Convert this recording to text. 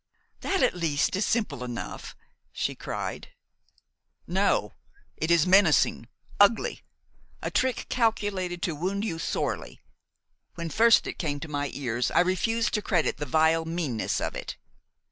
"That, at least, is simple enough," she cried. "No. It is menacing, ugly, a trick calculated to wound you sorely. When first it came to my ears I refused to credit the vile meanness of it.